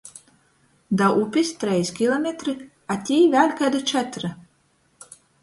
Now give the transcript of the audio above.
Da upis treis kilometri, a tī — vēļ kaidi četri.